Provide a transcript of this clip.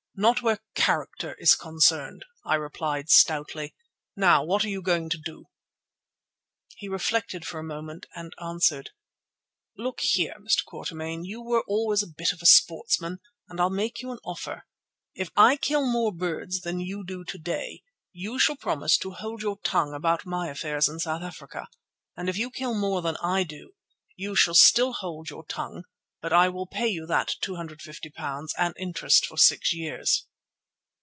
"Not where character is concerned," I replied stoutly. "Now, what are you going to do?" He reflected for a moment, and answered: "Look here, Mr. Quatermain, you were always a bit of a sportsman, and I'll make you an offer. If I kill more birds than you do to day, you shall promise to hold your tongue about my affairs in South Africa; and if you kill more than I do, you shall still hold your tongue, but I will pay you that £250 and interest for six years."